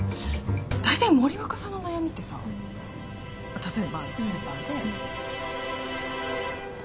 大体森若さんの悩みってさ例えばスーパーで。